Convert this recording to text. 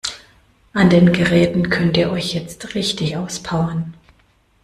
An den Geräten könnt ihr euch jetzt richtig auspowern.